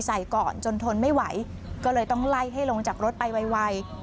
ใส่ก่อนจนทนไม่ไหวก็เลยต้องไล่ให้ลงจากรถไปไว